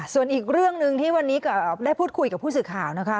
ส่วนอีกเรื่องหนึ่งที่วันนี้ได้พูดคุยกับผู้สื่อข่าวนะคะ